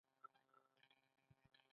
بندې یو چوکاټ، یوه انځور